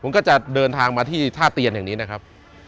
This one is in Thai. ผมก็จะเดินทางมาที่ท่าเตียนแห่งนี้นะครับ